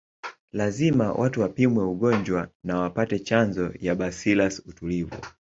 Lazima watu wapimwe ugonjwa na wapate chanjo ya bacillus utulivu